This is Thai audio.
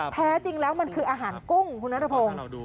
แท้จริงแล้วมันคืออาหารกุ้งคุณนัทพงศ์